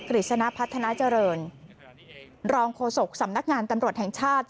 ฤษณพัฒนาเจริญรองโฆษกสำนักงานตำรวจแห่งชาติ